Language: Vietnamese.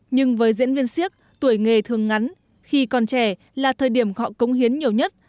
nhưng với diễn viên siếc tuổi nghề thường ngắn khi còn trẻ là thời điểm họ cống hiến nhiều nhất